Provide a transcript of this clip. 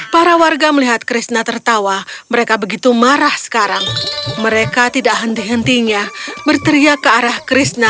para warga melihat krishna tertawa mereka begitu marah sekarang mereka tidak henti hentinya berteriak ke arah krishna